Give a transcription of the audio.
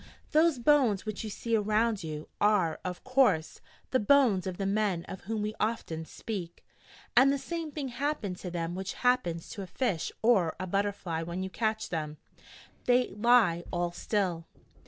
Those bones which you see around you, are, of course, the bones of the men of whom we often speak: and the same thing happened to them which happens to a fish or a butterfly when you catch them, and they lie all still.'